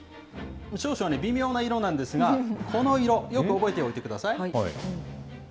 少々ね、微妙な色なんですが、この色、よく覚えておいてください。